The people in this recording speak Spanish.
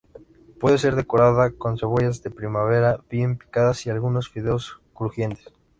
Puede ser decorada con cebollas de primavera bien picadas y algunos fideos crujientes.